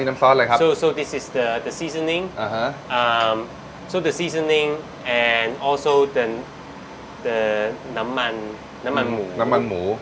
มีน้ำซอสอะไรครับ